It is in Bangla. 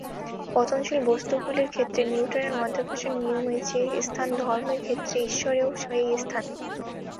পতনশীল বস্তুগুলির ক্ষেত্রে নিউটনের মাধ্যাকর্ষণ-নিয়মের যে স্থান, ধর্মের ক্ষেত্রে ঈশ্বরেরও সেই স্থান।